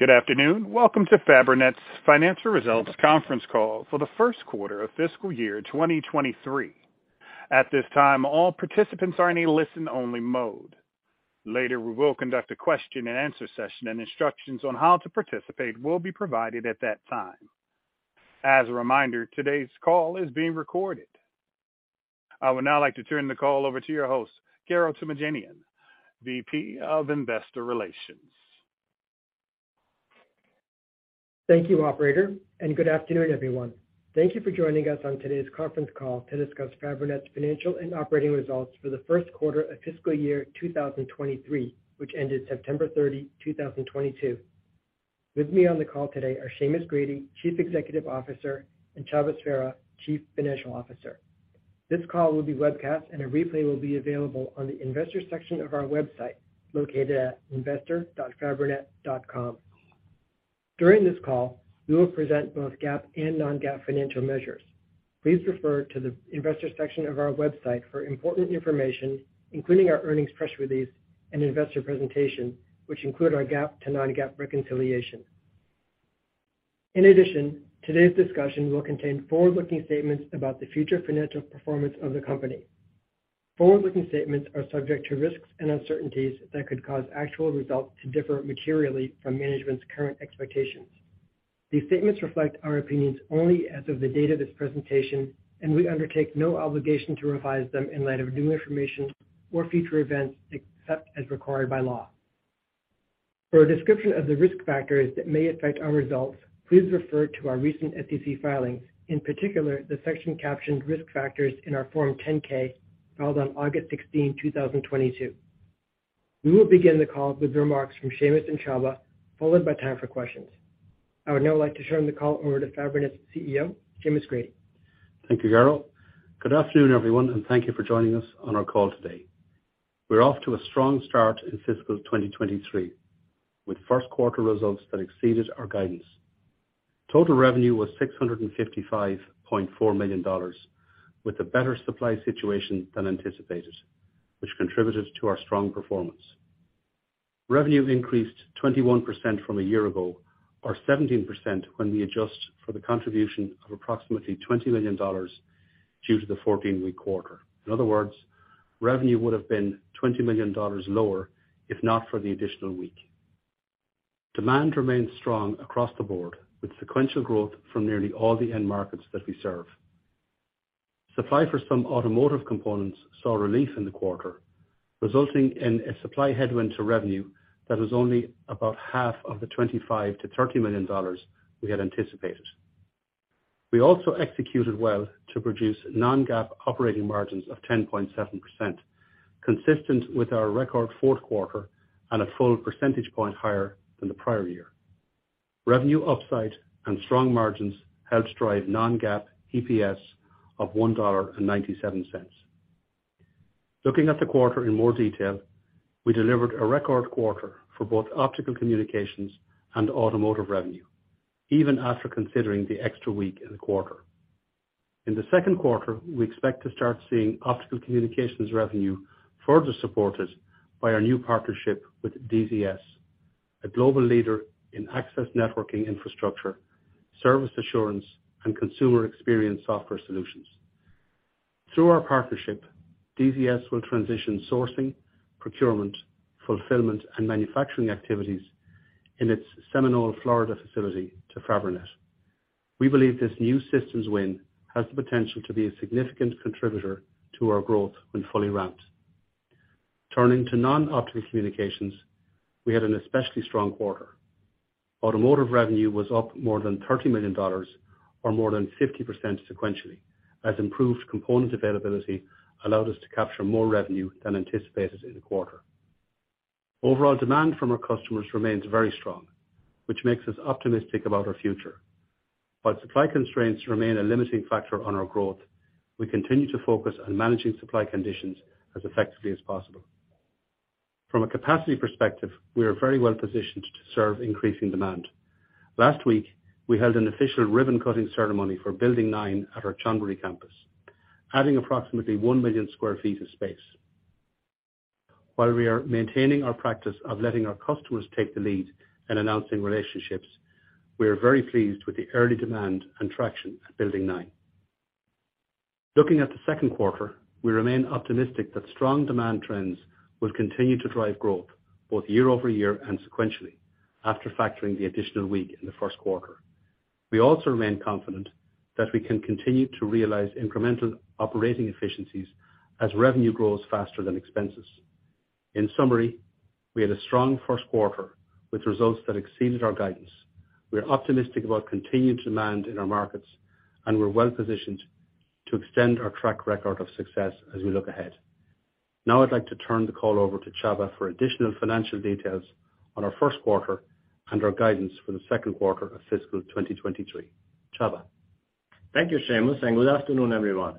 Good afternoon. Welcome to Fabrinet's financial results conference call for the first quarter of fiscal year 2023. At this time, all participants are in a listen-only mode. Later, we will conduct a question and answer session, and instructions on how to participate will be provided at that time. As a reminder, today's call is being recorded. I would now like to turn the call over to your host, Garo Toomajanian, VP of Investor Relations. Thank you, operator, good afternoon, everyone. Thank you for joining us on today's conference call to discuss Fabrinet's financial and operating results for the first quarter of fiscal year 2023, which ended September 30, 2022. With me on the call today are Seamus Grady, Chief Executive Officer, and Csaba Sverha, Chief Financial Officer. This call will be webcast, and a replay will be available on the investor section of our website, located at investor.fabrinet.com. During this call, we will present both GAAP and non-GAAP financial measures. Please refer to the investor section of our website for important information, including our earnings press release and investor presentation, which include our GAAP to non-GAAP reconciliation. Today's discussion will contain forward-looking statements about the future financial performance of the company. Forward-looking statements are subject to risks and uncertainties that could cause actual results to differ materially from management's current expectations. These statements reflect our opinions only as of the date of this presentation. We undertake no obligation to revise them in light of new information or future events, except as required by law. For a description of the risk factors that may affect our results, please refer to our recent SEC filings, in particular, the section captioned "Risk Factors" in our Form 10-K filed on August 16, 2022. We will begin the call with remarks from Seamus and Csaba, followed by time for questions. I would now like to turn the call over to Fabrinet's CEO, Seamus Grady. Thank you, Garo. Good afternoon, everyone, thank you for joining us on our call today. We're off to a strong start in fiscal 2023, with first quarter results that exceeded our guidance. Total revenue was $655.4 million with a better supply situation than anticipated, which contributed to our strong performance. Revenue increased 21% from a year ago or 17% when we adjust for the contribution of approximately $20 million due to the 14-week quarter. In other words, revenue would've been $20 million lower if not for the additional week. Demand remained strong across the board with sequential growth from nearly all the end markets that we serve. Supply for some Automotive components saw relief in the quarter, resulting in a supply headwind to revenue that was only about half of the $25 million-$30 million we had anticipated. We also executed well to produce non-GAAP operating margins of 10.7%, consistent with our record fourth quarter and a full percentage point higher than the prior year. Revenue upside and strong margins helped drive non-GAAP EPS of $1.97. Looking at the quarter in more detail, we delivered a record quarter for both Optical Communications and Automotive revenue, even after considering the extra week in the quarter. In the second quarter, we expect to start seeing Optical Communications revenue further supported by our new partnership with DZS, a global leader in access networking infrastructure, service assurance, and consumer experience software solutions. Through our partnership, DZS will transition sourcing, procurement, fulfillment, and manufacturing activities in its Seminole, Florida facility to Fabrinet. We believe this new systems win has the potential to be a significant contributor to our growth when fully ramped. Turning to Non-Optical Communications, we had an especially strong quarter. Automotive revenue was up more than $30 million or more than 50% sequentially as improved component availability allowed us to capture more revenue than anticipated in the quarter. Overall demand from our customers remains very strong, which makes us optimistic about our future. While supply constraints remain a limiting factor on our growth, we continue to focus on managing supply conditions as effectively as possible. From a capacity perspective, we are very well positioned to serve increasing demand. Last week, we held an official ribbon-cutting ceremony for Building 9 at our Chonburi campus, adding approximately 1 million sq ft of space. While we are maintaining our practice of letting our customers take the lead in announcing relationships, we are very pleased with the early demand and traction at Building 9. Looking at the second quarter, we remain optimistic that strong demand trends will continue to drive growth both year-over-year and sequentially after factoring the additional week in the first quarter. We also remain confident that we can continue to realize incremental operating efficiencies as revenue grows faster than expenses. In summary, we had a strong first quarter with results that exceeded our guidance. Now I'd like to turn the call over to Csaba for additional financial details on our first quarter and our guidance for the second quarter of fiscal 2023. Csaba? Thank you, Seamus, and good afternoon, everyone.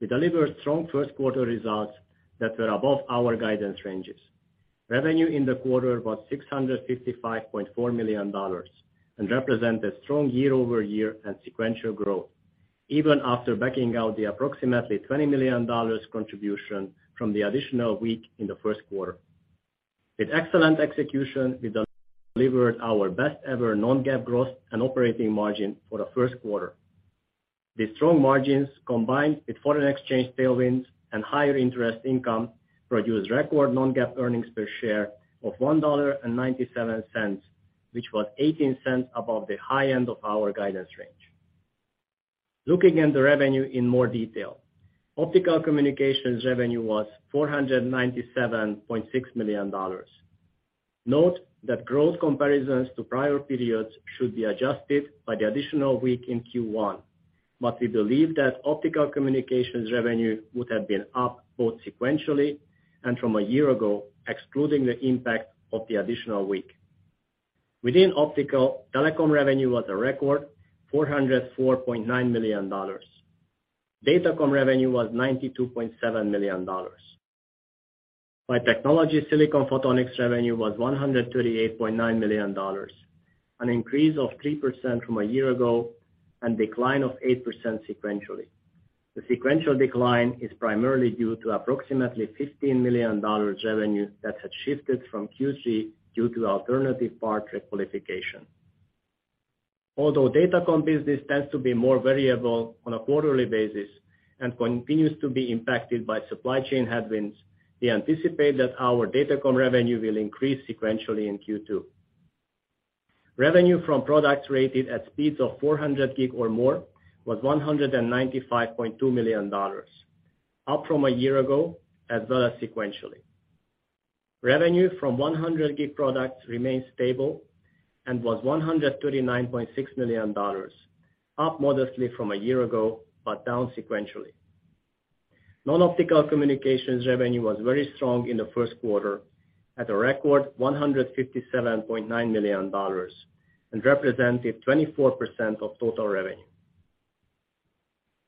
We delivered strong first quarter results that were above our guidance ranges. Revenue in the quarter was $655.4 million and represent a strong year-over-year and sequential growth. Even after backing out the approximately $20 million contribution from the additional week in the first quarter. With excellent execution, we delivered our best ever non-GAAP growth and operating margin for the first quarter. These strong margins, combined with foreign exchange tailwinds and higher interest income, produced record non-GAAP earnings per share of $1.97, which was $0.80 above the high end of our guidance range. Looking at the revenue in more detail. Optical Communications revenue was $497.6 million. Note that growth comparisons to prior periods should be adjusted by the additional week in Q1, but we believe that Optical Communications revenue would have been up both sequentially and from a year ago, excluding the impact of the additional week. Within optical, Telecom revenue was a record $404.9 million. Datacom revenue was $92.7 million. By technology, silicon photonics revenue was $138.9 million, an increase of 3% from a year ago, and decline of 8% sequentially. The sequential decline is primarily due to approximately $15 million revenue that had shifted from Q1 due to alternative part requalification. Although Datacom business tends to be more variable on a quarterly basis and continues to be impacted by supply chain headwinds, we anticipate that our Datacom revenue will increase sequentially in Q2. Revenue from products rated at speeds of 400G or more was $195.2 million, up from a year ago, as well as sequentially. Revenue from 100G products remains stable and was $139.6 million, up modestly from a year ago, but down sequentially. Non-Optical Communications revenue was very strong in the first quarter at a record $157.9 million, and represented 24% of total revenue.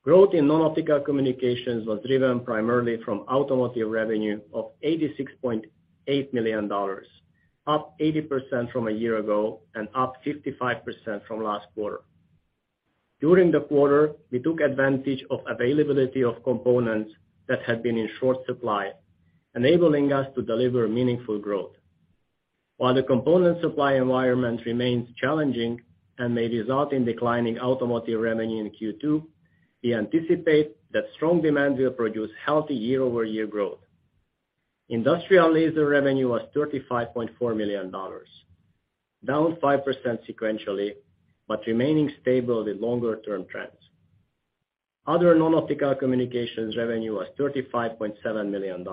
Growth in Non-Optical Communications was driven primarily from Automotive revenue of $86.8 million, up 80% from a year ago and up 55% from last quarter. During the quarter, we took advantage of availability of components that had been in short supply, enabling us to deliver meaningful growth. While the component supply environment remains challenging and may result in declining Automotive revenue in Q2, we anticipate that strong demand will produce healthy year-over-year growth. Industrial Laser revenue was $35.4 million, down 5% sequentially, but remaining stable with longer term trends. Other Non-Optical Communications revenue was $35.7 million.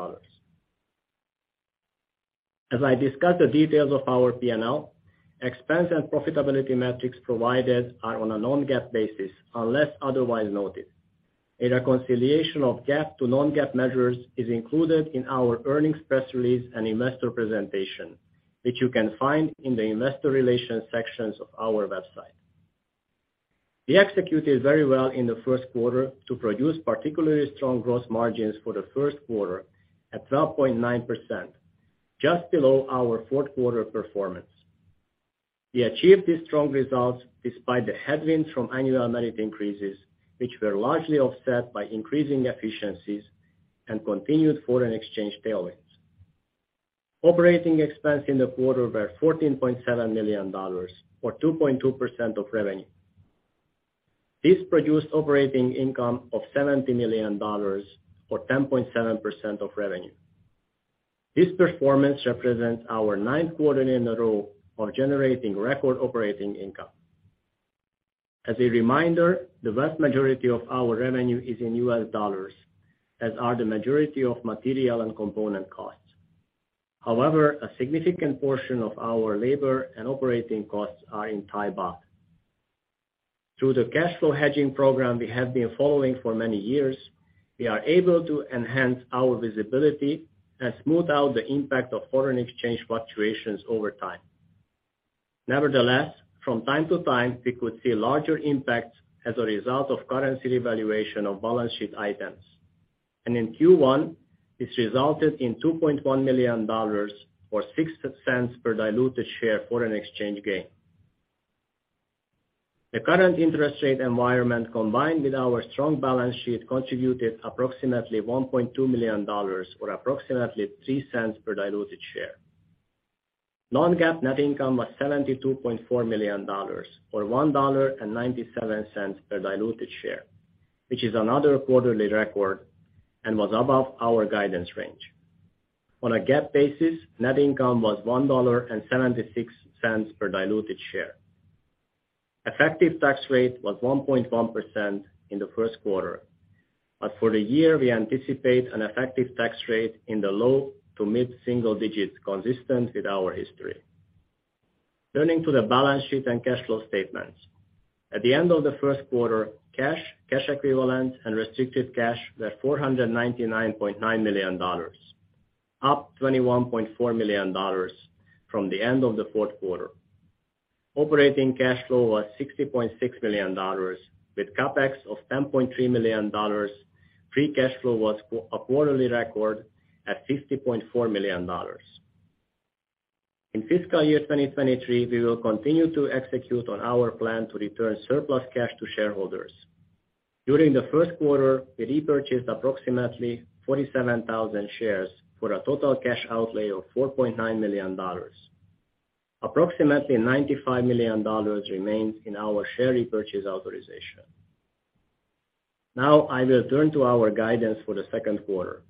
As I discuss the details of our P&L, expense and profitability metrics provided are on a non-GAAP basis unless otherwise noted. A reconciliation of GAAP to non-GAAP measures is included in our earnings press release and investor presentation, which you can find in the investor relations sections of our website. We executed very well in the first quarter to produce particularly strong gross margins for the first quarter at 12.9%, just below our fourth quarter performance. We achieved these strong results despite the headwinds from annual merit increases, which were largely offset by increasing efficiencies and continued foreign exchange tailwinds. Operating expense in the quarter were $14.7 million or 2.2% of revenue. This produced operating income of $70 million or 10.7% of revenue. This performance represents our ninth quarter in a row of generating record operating income. As a reminder, the vast majority of our revenue is in US dollars, as are the majority of material and component costs. However, a significant portion of our labor and operating costs are in Thai baht. Through the cash flow hedging program we have been following for many years, we are able to enhance our visibility and smooth out the impact of foreign exchange fluctuations over time. Nevertheless, from time to time, we could see larger impacts as a result of currency valuation of balance sheet items. In Q1, this resulted in $2.1 million, or $0.06 per diluted share foreign exchange gain. The current interest rate environment, combined with our strong balance sheet, contributed approximately $1.2 million or approximately $0.03 per diluted share. Non-GAAP net income was $72.4 million or $1.97 per diluted share, which is another quarterly record, and was above our guidance range. On a GAAP basis, net income was $1.76 per diluted share. Effective tax rate was 1.1% in the first quarter. For the year, we anticipate an effective tax rate in the low to mid single digits consistent with our history. Turning to the balance sheet and cash flow statements. At the end of the first quarter, cash equivalents and restricted cash were $499.9 million, up $21.4 million from the end of the fourth quarter. Operating cash flow was $60.6 million, with CapEx of $10.3 million. Free cash flow was a quarterly record at $50.4 million. In fiscal year 2023, we will continue to execute on our plan to return surplus cash to shareholders. During the first quarter, we repurchased approximately 47,000 shares for a total cash outlay of $4.9 million. Approximately $95 million remains in our share repurchase authorization. I will turn to our guidance for the second quarter.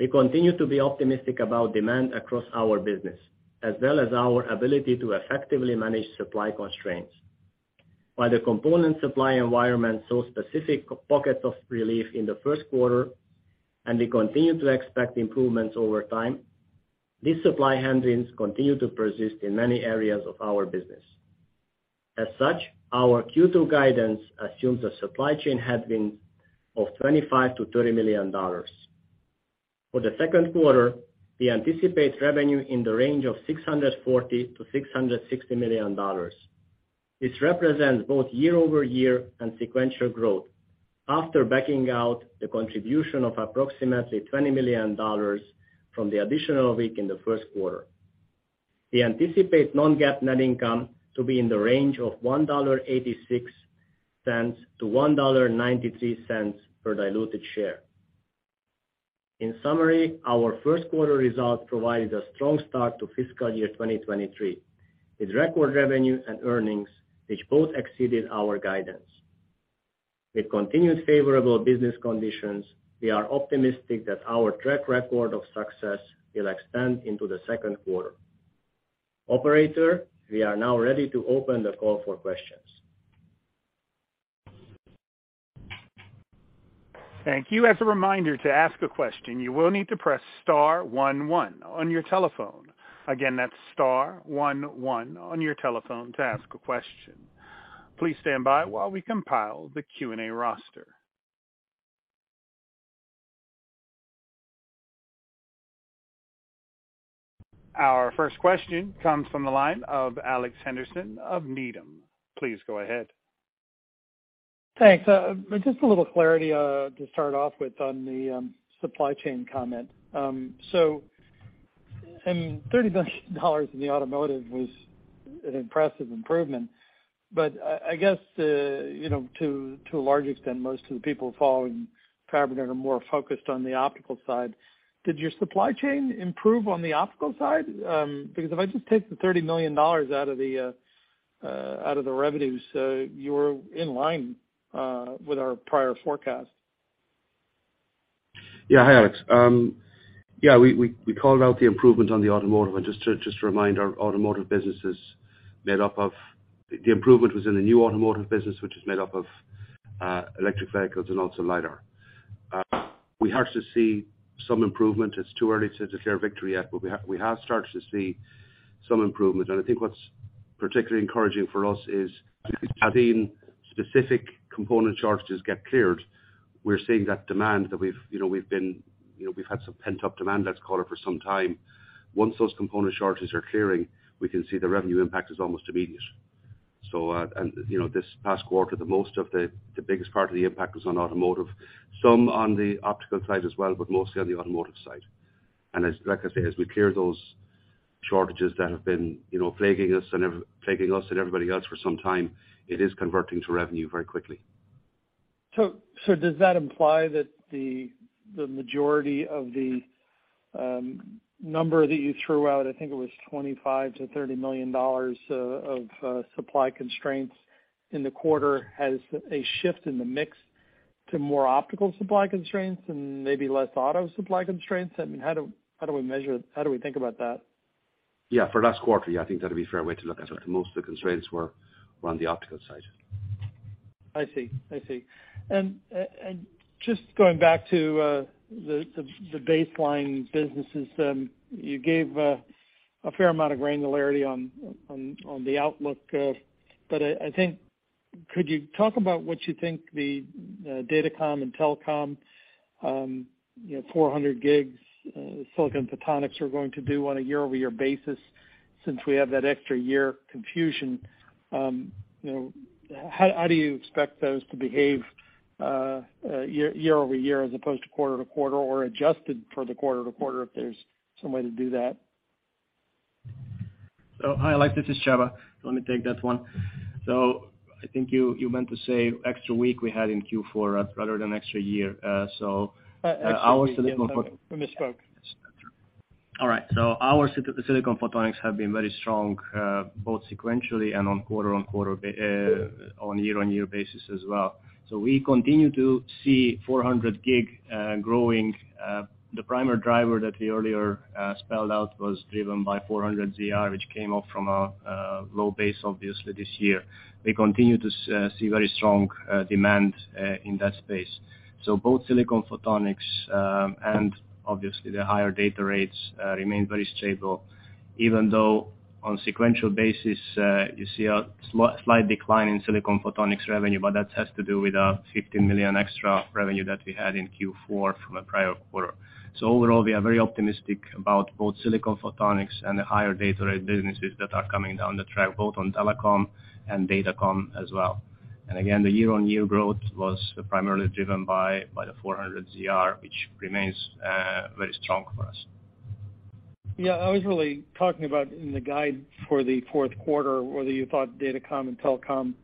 We continue to be optimistic about demand across our business, as well as our ability to effectively manage supply constraints. While the component supply environment saw specific pockets of relief in the first quarter, and we continue to expect improvements over time, these supply headwinds continue to persist in many areas of our business. Our Q2 guidance assumes a supply chain headwind of $25 million-$30 million. For the second quarter, we anticipate revenue in the range of $640 million-$660 million. This represents both year-over-year and sequential growth. After backing out the contribution of approximately $20 million from the additional week in the first quarter. We anticipate non-GAAP net income to be in the range of $1.86-$1.93 per diluted share. Our first quarter results provided a strong start to fiscal year 2023, with record revenue and earnings, which both exceeded our guidance. With continued favorable business conditions, we are optimistic that our track record of success will extend into the second quarter. Operator, we are now ready to open the call for questions. Thank you. As a reminder, to ask a question, you will need to press star one one on your telephone. Again, that's star one one on your telephone to ask a question. Please stand by while we compile the Q&A roster. Our first question comes from the line of Alex Henderson of Needham. Please go ahead. Thanks. Just a little clarity to start off with on the supply chain comment. $30 million in the Automotive was an impressive improvement. I guess to a large extent, most of the people following Fabrinet are more focused on the optical side. Did your supply chain improve on the optical side? If I just take the $30 million out of the revenues, you're in line with our prior forecast. Hi, Alex. We called out the improvement on the Automotive. Just to remind our Automotive business is made up of the improvement was in the new Automotive business, which is made up of electric vehicles and also lidar. We have to see some improvement. It's too early to declare victory yet, but we have started to see some improvement. I think what's particularly encouraging for us is as specific component shortages get cleared, we're seeing that demand that we've had some pent-up demand, let's call it, for some time. Once those component shortages are clearing, we can see the revenue impact is almost immediate. This past quarter, the most of the biggest part of the impact was on Automotive. Some on the optical side as well, but mostly on the Automotive side. As, like I say, as we clear those shortages that have been plaguing us and everybody else for some time, it is converting to revenue very quickly. Does that imply that the majority of the number that you threw out, I think it was $25 million-$30 million of supply constraints in the quarter, has a shift in the mix to more optical supply constraints and maybe less auto supply constraints? I mean, how do we think about that? Yeah, for last quarter. Yeah, I think that'd be a fair way to look at it. Most of the constraints were on the optical side. I see. Just going back to the baseline businesses. You gave a fair amount of granularity on the outlook. I think, could you talk about what you think the datacom and telecom, 400G silicon photonics are going to do on a year-over-year basis since we have that extra year confusion? How do you expect those to behave year-over-year as opposed to quarter-to-quarter or adjusted for the quarter-to-quarter if there's some way to do that? Hi Alex, this is Csaba. Let me take that one. I think you meant to say extra week we had in Q4 rather than extra year. Our I misspoke All right. Our silicon photonics have been very strong both sequentially and on quarter-over-quarter, on year-over-year basis as well. We continue to see 400G growing. The primary driver that we earlier spelled out was driven by 400ZR, which came off from a low base, obviously, this year. We continue to see very strong demand in that space. Both silicon photonics and obviously the higher data rates remain very stable, even though on sequential basis, you see a slight decline in silicon photonics revenue. But that has to do with a $15 million extra revenue that we had in Q4 from the prior quarter. Overall, we are very optimistic about both silicon photonics and the higher data rate businesses that are coming down the track, both on Telecom and Datacom as well. Again, the year-over-year growth was primarily driven by the 400ZR, which remains very strong for us. Yeah, I was really talking about in the guide for the fourth quarter, whether you thought Datacom and Telecom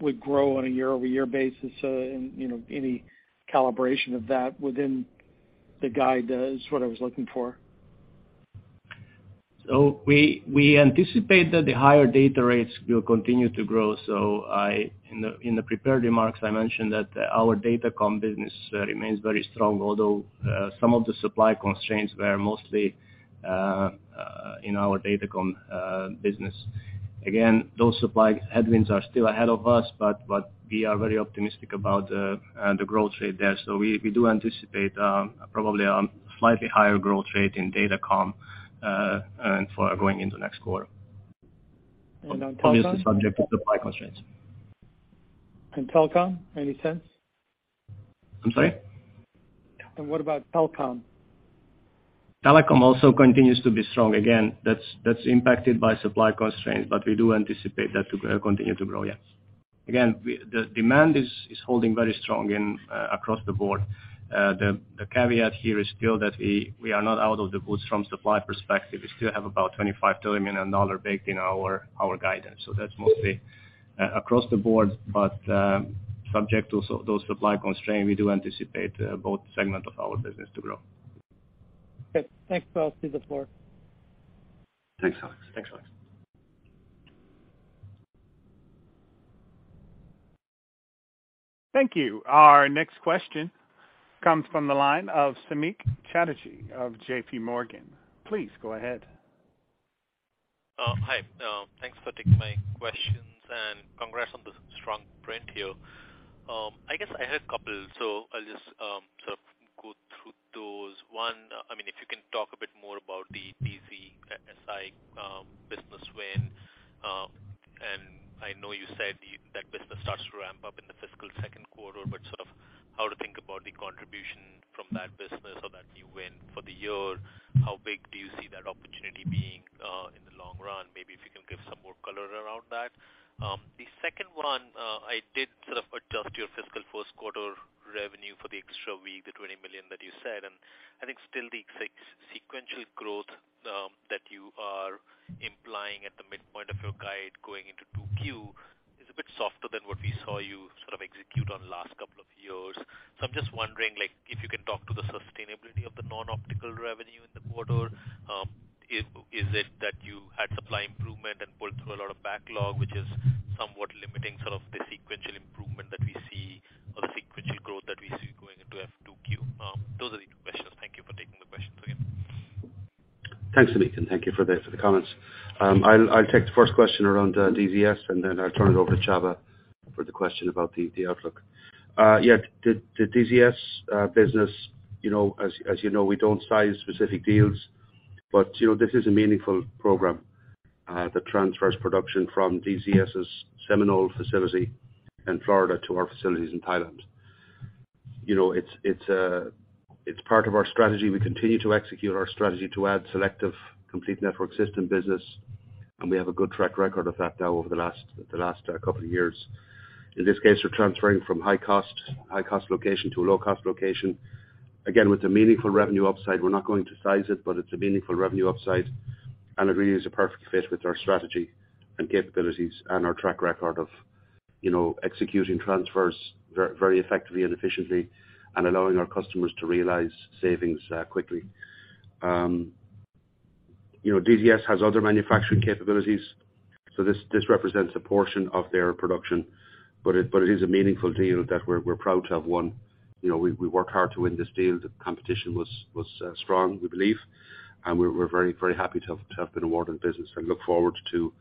would grow on a year-over-year basis, any calibration of that within the guide is what I was looking for. We anticipate that the higher data rates will continue to grow. In the prepared remarks, I mentioned that our Datacom business remains very strong, although some of the supply constraints were mostly in our Datacom business. Those supply headwinds are still ahead of us, we are very optimistic about the growth rate there. We do anticipate probably a slightly higher growth rate in Datacom for going into next quarter. On Telecom? Obviously subject to supply constraints. Telecom, any sense? I'm sorry? What about Telecom? Telecom also continues to be strong. Again, that's impacted by supply constraints, but we do anticipate that to continue to grow. Yes. Again, the demand is holding very strong across the board. The caveat here is still that we are not out of the woods from supply perspective. We still have about $25 million baked in our guidance. That's mostly across the board, but subject to those supply constraints, we do anticipate both segments of our business to grow. Okay, thanks. I'll cede the floor. Thanks, Alex. Thanks, Alex. Thank you. Our next question comes from the line of Samik Chatterjee of J.P. Morgan. Please go ahead. Hi, thanks for taking my questions. Congrats on the strong print here. I guess I had a couple, so I'll just sort of go through those. One, if you can talk a bit more about the Datacom business win. I know you said that business starts to ramp up in the fiscal second quarter, sort of how to think about the contribution from that business or that new win for the year. How big do you see that opportunity being, in the long run? Maybe if you can give some more color around that. The second one, I did sort of adjust your fiscal first quarter revenue for the extra week, the $20 million that you said, and I think still the sequential growth, that you are implying at the midpoint of your guide going into 2Q, is a bit softer than what we saw you sort of execute on the last couple of years. I'm just wondering if you can talk to the sustainability of the non-optical revenue in the quarter. Is it that you had supply improvement and pulled through a lot of backlog, which is somewhat limiting sort of the sequential improvement that we see or the sequential growth that we see going into F2Q? Those are the two questions. Thank you for taking the questions again. Thanks, Samik, and thank you for the comments. I'll take the first question around DZS and then I'll turn it over to Csaba for the question about the outlook. The DZS business, as you know, we don't size specific deals, but this is a meaningful program that transfers production from DZS's Seminole facility in Florida to our facilities in Thailand. It's part of our strategy. We continue to execute our strategy to add selective complete network system business. We have a good track record of that now over the last couple of years. In this case, we're transferring from high cost location to a low-cost location. With a meaningful revenue upside. We're not going to size it, but it's a meaningful revenue upside. It is a perfect fit with our strategy and capabilities and our track record of executing transfers very effectively and efficiently and allowing our customers to realize savings quickly. DZS has other manufacturing capabilities, so this represents a portion of their production, but it is a meaningful deal that we're proud to have won. We worked hard to win this deal. The competition was strong, we believe, and we're very happy to have been awarded the business and look forward to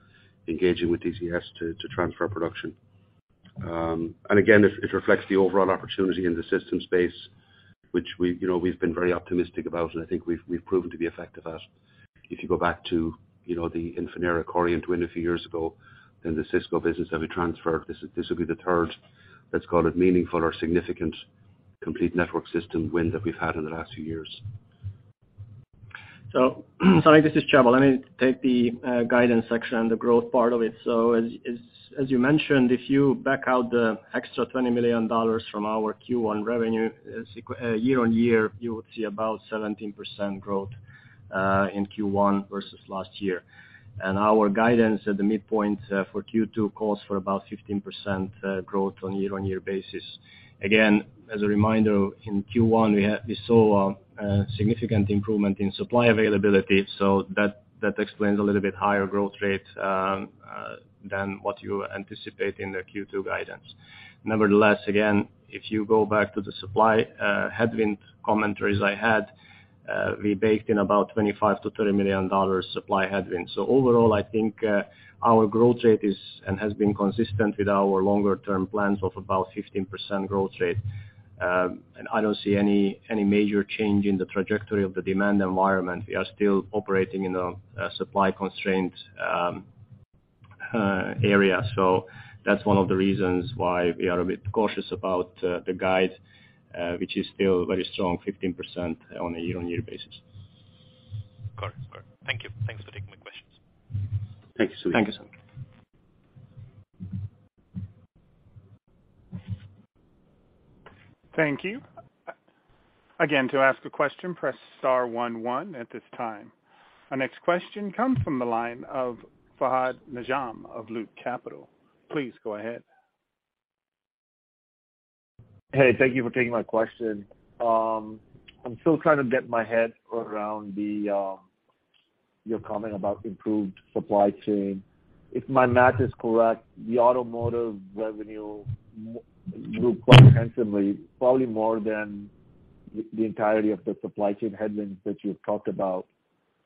engaging with DZS to transfer production. It reflects the overall opportunity in the system space, which we've been very optimistic about, and I think we've proven to be effective at. If you go back to the Infinera Coriant win a few years ago, the Cisco business that we transferred, this will be the third, let's call it meaningful or significant complete network system win that we've had in the last few years. Samik, this is Csaba. Let me take the guidance section, the growth part of it. As you mentioned, if you back out the extra $20 million from our Q1 revenue year-over-year, you would see about 17% growth in Q1 versus last year. Our guidance at the midpoint for Q2 calls for about 15% growth on a year-over-year basis. Again, as a reminder, in Q1, we saw a significant improvement in supply availability, that explains a little bit higher growth rate than what you anticipate in the Q2 guidance. Nevertheless, again, if you go back to the supply headwind commentaries I had, we baked in about $25 million-$30 million supply headwind. Overall, I think our growth rate is and has been consistent with our longer-term plans of about 15% growth rate. I don't see any major change in the trajectory of the demand environment. We are still operating in a supply-constrained area. That's one of the reasons why we are a bit cautious about the guide, which is still very strong, 15% on a year-over-year basis. Correct. Thank you. Thanks for taking my questions. Thanks, Samik. Thank you. Again, to ask a question, press star 11 at this time. Our next question comes from the line of Fahad Najam of Loop Capital. Please go ahead. Hey, thank you for taking my question. I'm still trying to get my head around your comment about improved supply chain. If my math is correct, the Automotive revenue grew quite handsomely, probably more than the entirety of the supply chain headwinds that you've talked about.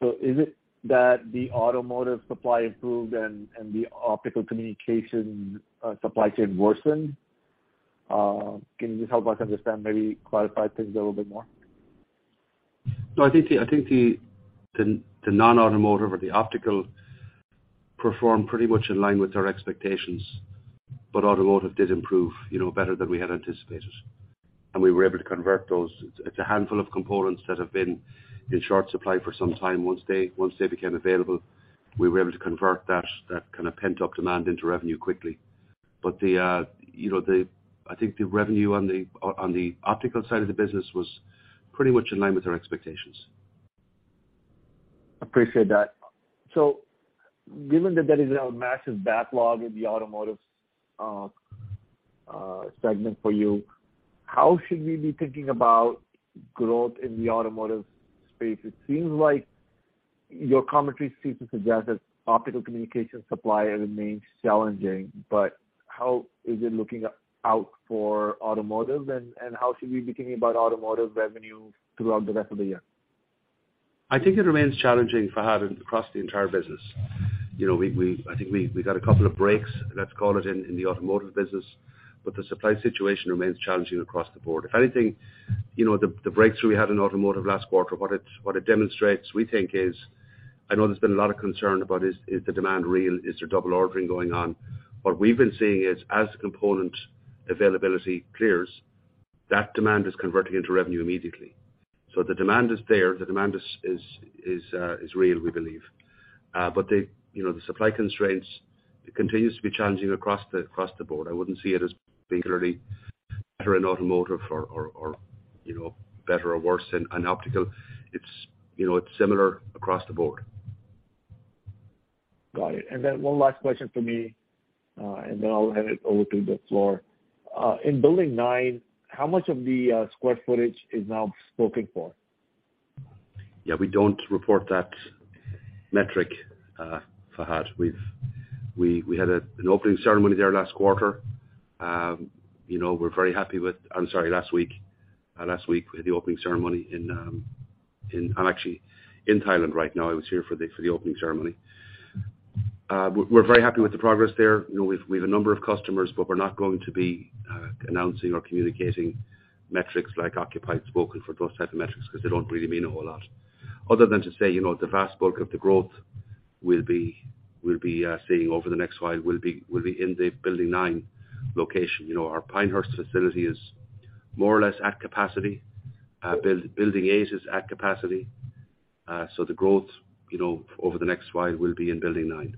Is it that the Automotive supply improved and the Optical Communications supply chain worsened? Can you just help us understand, maybe clarify things a little bit more? No, I think the Non-Automotive or the Optical performed pretty much in line with our expectations. Automotive did improve better than we had anticipated. We were able to convert those. It's a handful of components that have been in short supply for some time. Once they became available, we were able to convert that kind of pent-up demand into revenue quickly. I think the revenue on the Optical side of the business was pretty much in line with our expectations. Appreciate that. Given that there is now a massive backlog in the Automotive segment for you, how should we be thinking about growth in the Automotive space? It seems like your commentary seems to suggest that Optical Communications supply remains challenging, but how is it looking out for Automotive and how should we be thinking about Automotive revenue throughout the rest of the year? I think it remains challenging, Fahad, across the entire business. I think we got a couple of breaks, let's call it, in the Automotive business, but the supply situation remains challenging across the board. If anything, the breakthrough we had in Automotive last quarter, what it demonstrates we think is, I know there's been a lot of concern about is the demand real? Is there double ordering going on? What we've been seeing is as the component availability clears, that demand is converting into revenue immediately. The demand is there, the demand is real, we believe. The supply constraints continues to be challenging across the board. I wouldn't see it as being really better in Automotive or better or worse in Optical. It's similar across the board. Got it. One last question from me, then I'll hand it over to the floor. In building nine, how much of the square footage is now spoken for? We don't report that metric, Fahad. We had an opening ceremony there last week. Last week we had the opening ceremony. I'm actually in Thailand right now. I was here for the opening ceremony. We're very happy with the progress there. We've a number of customers, but we're not going to be announcing or communicating metrics like occupied, spoken for, those type of metrics, because they don't really mean a whole lot other than to say, the vast bulk of the growth we'll be seeing over the next while will be in the building nine location. Our Pinehurst facility is more or less at capacity. Building eight is at capacity. The growth, over the next while will be in building nine. Sorry,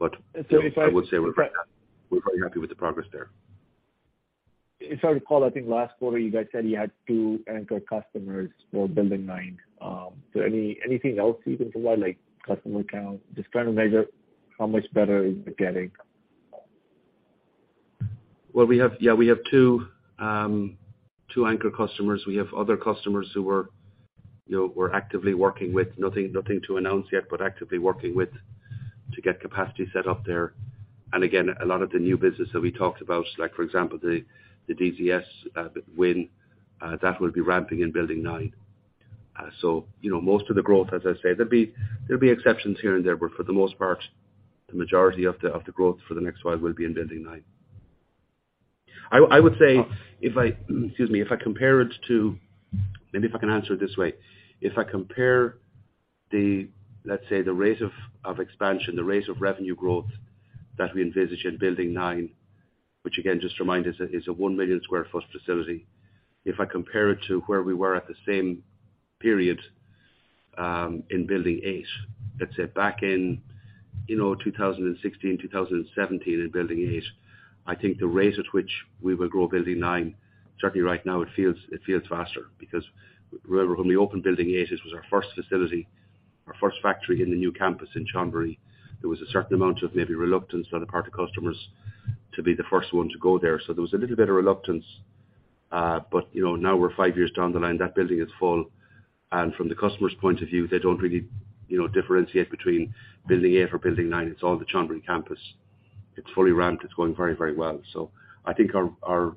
Fahad. I would say we're very happy with the progress there. Sorry, Paul. I think last quarter you guys said you had two anchor customers for building nine. Anything else you can provide, like customer count, just trying to measure how much better is it getting. Well, we have two anchor customers. We have other customers who we're actively working with. Nothing to announce yet, but actively working with to get capacity set up there. Again, a lot of the new business that we talked about, like for example, the DZS win, that will be ramping in building nine. Most of the growth, as I say, there'll be exceptions here and there, but for the most part, the majority of the growth for the next while will be in building nine. I would say if I excuse me, maybe if I can answer it this way. If I compare the, let's say, the rate of expansion, the rate of revenue growth that we envisage in building nine, which again just to remind is a 1 million sq ft facility. If I compare it to where we were at the same period, in building eight, let's say back in 2016, 2017, in building eight, I think the rate at which we will grow building nine, certainly right now it feels faster. Because when we opened building eight, it was our first facility, our first factory in the new campus in Chonburi. There was a certain amount of maybe reluctance on the part of customers to be the first one to go there. There was a little bit of reluctance. Now we're five years down the line. That building is full, and from the customer's point of view, they don't really differentiate between building eight or building nine. It's all the Chonburi campus. It's fully ramped. It's going very well. I think the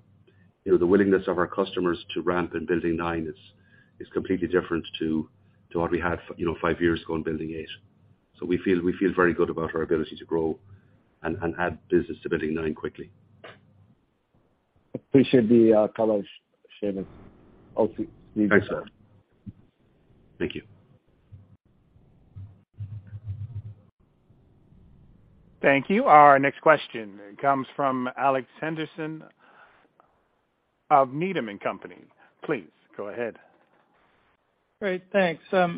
willingness of our customers to ramp in Building 9 is completely different to what we had five years ago in Building 8. We feel very good about our ability to grow and add business to Building 9 quickly. Appreciate the color, Seamus. Thanks, Fahad. Thank you. Thank you. Our next question comes from Alex Henderson of Needham & Company. Please go ahead. Great. Thanks. I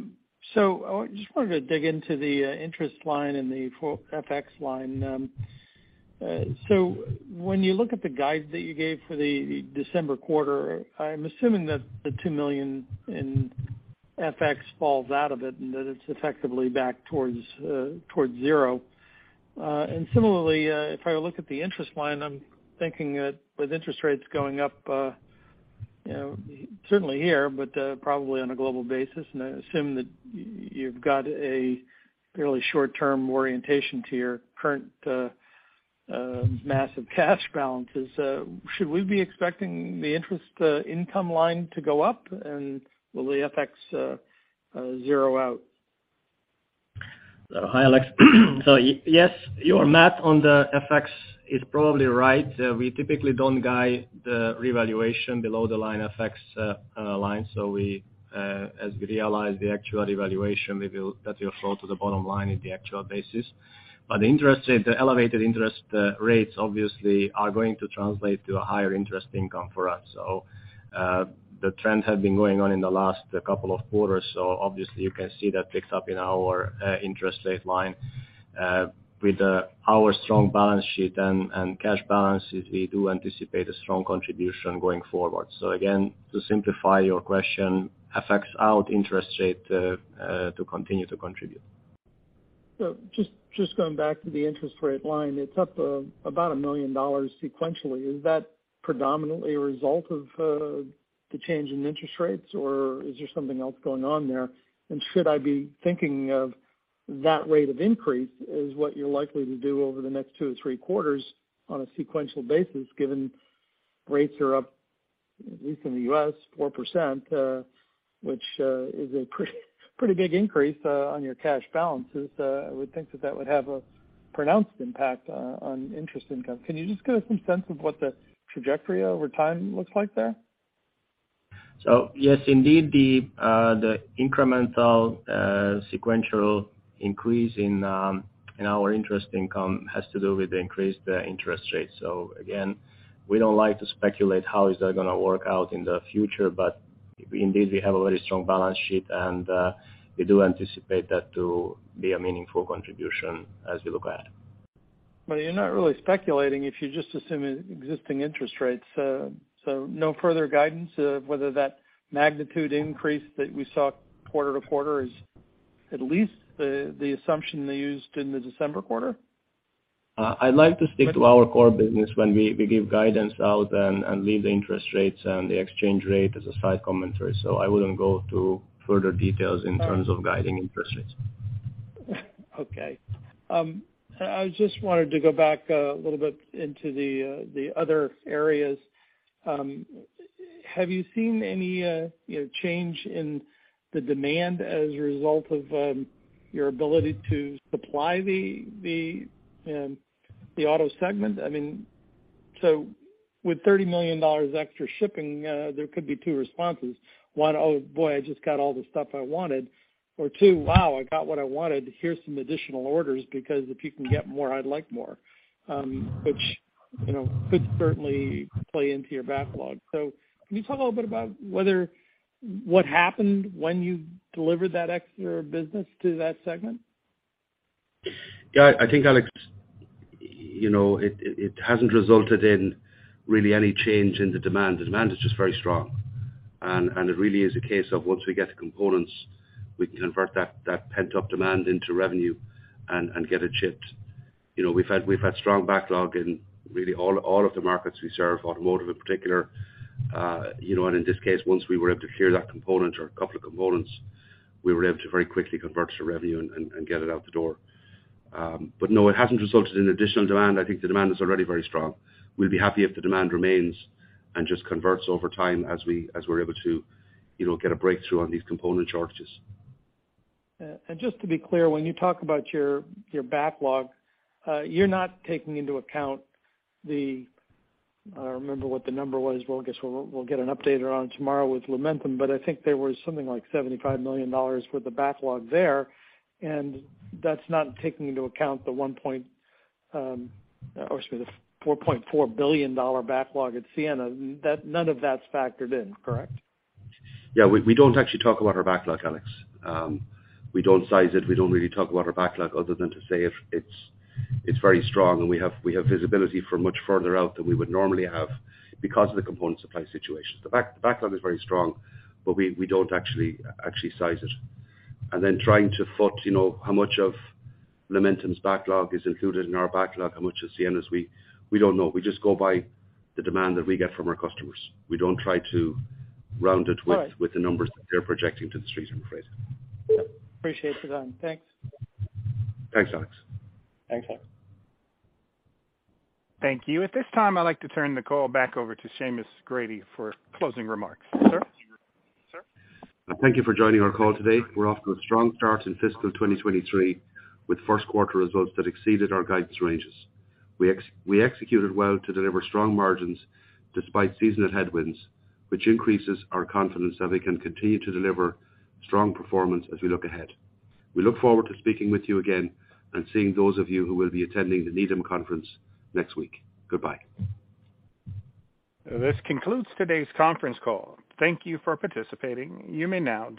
just wanted to dig into the interest line and the full FX line. When you look at the guide that you gave for the December quarter, I'm assuming that the $2 million in FX falls out of it and that it's effectively back towards zero. Similarly, if I look at the interest line, I'm thinking that with interest rates going up, certainly here, but probably on a global basis, I assume that you've got a fairly short-term orientation to your current massive cash balances. Should we be expecting the interest income line to go up? Will the FX zero out? Hi, Alex. Yes, your math on the FX is probably right. We typically don't guide the revaluation below the line FX line. As we realize the actual evaluation, that will flow to the bottom line at the actual basis. The elevated interest rates obviously are going to translate to a higher interest income for us. The trend had been going on in the last couple of quarters. Obviously you can see that picks up in our interest rate line. With our strong balance sheet and cash balances, we do anticipate a strong contribution going forward. Again, to simplify your question, FX out, interest rate to continue to contribute. Just going back to the interest rate line, it's up about $1 million sequentially. Is that predominantly a result of the change in interest rates, or is there something else going on there? Should I be thinking of that rate of increase as what you're likely to do over the next two to three quarters on a sequential basis, given rates are up, at least in the U.S., 4%, which is a pretty big increase on your cash balances. I would think that that would have a pronounced impact on interest income. Can you just give us some sense of what the trajectory over time looks like there? Yes, indeed, the incremental sequential increase in our interest income has to do with the increased interest rates. Again, we don't like to speculate how is that going to work out in the future. Indeed, we have a very strong balance sheet, and we do anticipate that to be a meaningful contribution as we look ahead. You're not really speculating if you just assume existing interest rates. No further guidance whether that magnitude increase that we saw quarter-to-quarter is at least the assumption they used in the December Quarter? I'd like to stick to our core business when we give guidance out and leave the interest rates and the exchange rate as a side commentary. I wouldn't go to further details in terms of guiding interest rates. Okay. I just wanted to go back a little bit into the other areas. Have you seen any change in the demand as a result of your ability to supply the Automotive segment? With $30 million extra shipping, there could be two responses. One, "Oh, boy, I just got all the stuff I wanted." Or two, "Wow, I got what I wanted. Here's some additional orders, because if you can get more, I'd like more." Which could certainly play into your backlog. Can you talk a little bit about what happened when you delivered that extra business to that segment? Yeah, I think, Alex, it hasn't resulted in really any change in the demand. The demand is just very strong. It really is a case of once we get the components, we can convert that pent-up demand into revenue and get it shipped. We've had strong backlog in really all of the markets we serve, Automotive in particular. In this case, once we were able to hear that component or a couple of components, we were able to very quickly convert to revenue and get it out the door. No, it hasn't resulted in additional demand. I think the demand is already very strong. We'll be happy if the demand remains and just converts over time as we're able to get a breakthrough on these component shortages. Just to be clear, when you talk about your backlog, you're not taking into account the I don't remember what the number was. Well, I guess we'll get an update around tomorrow with Lumentum, but I think there was something like $75 million with the backlog there, and that's not taking into account the $4.4 billion backlog at Ciena. None of that's factored in, correct? Yeah. We don't actually talk about our backlog, Alex. We don't size it. We don't really talk about our backlog other than to say it's very strong, we have visibility for much further out than we would normally have because of the component supply situation. The backlog is very strong, but we don't actually size it. Then trying to foot how much of Lumentum's backlog is included in our backlog, how much is Ciena's, we don't know. We just go by the demand that we get from our customers. We don't try to round it with the numbers that they're projecting to the street, I'm afraid. Appreciate the time. Thanks. Thanks, Alex. Thanks, Alex. Thank you. At this time, I'd like to turn the call back over to Seamus Grady for closing remarks. Sir? Thank you for joining our call today. We're off to a strong start in fiscal 2023 with first quarter results that exceeded our guidance ranges. We executed well to deliver strong margins despite seasonal headwinds, which increases our confidence that we can continue to deliver strong performance as we look ahead. We look forward to speaking with you again and seeing those of you who will be attending the Needham Conference next week. Goodbye. This concludes today's conference call. Thank you for participating. You may now disconnect.